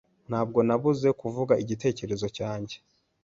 Ntabwo nabuze kuvuga igitekerezo cyanjye.